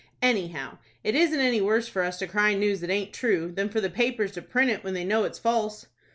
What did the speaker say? Anyhow, it isn't any worse for us to cry news that aint true, than for the papers to print it when they know it's false."